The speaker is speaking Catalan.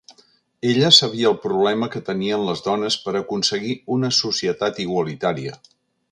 Ella sabia el problema que tenien les dones per aconseguir una societat igualitària.